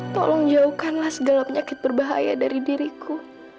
tolong jauhkanlah segala penyakit berbahaya dari diriku